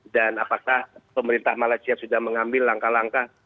dan apakah pemerintah malaysia sudah mengambil langkah langkah